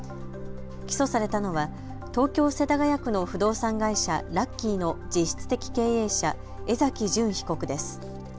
起訴されたのは東京世田谷区の不動産会社、ラッキーの実質的経営者、江崎純被告です。